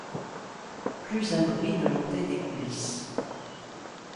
Plus un bruit ne montait des coulisses.